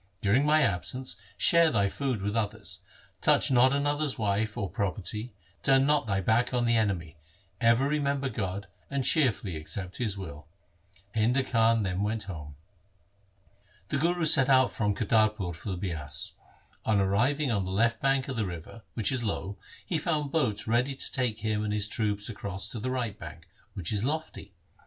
During my absence share thy food with others, touch not another's wife or pro perty, turn not thy back on the enemy, ever remember God, and cheerfully accept His will.' Painda Khan then went home. The Guru set out from Kartarpur for the Bias. On arriving on the left bank of the river, which is low, he found boats ready to take him and his troops across to the right bank, which is lofty.